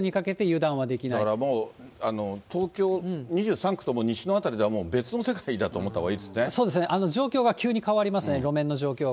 だからもう、東京２３区と西の辺りではもう別の世界だと思ったほうがいいですそうですね、状況が急に変わりますね、路面の状況が。